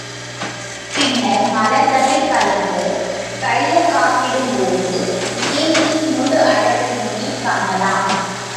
பின்னர் மலர்களைக் களைந்து தைலக் காப்பிடும்போது மேனியின் முழு அழகையுமே காணலாம்.